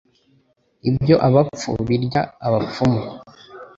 Ibyo abapfu birya abapfumu